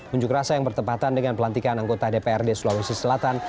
unjuk rasa yang bertempatan dengan pelantikan anggota dprd sulawesi selatan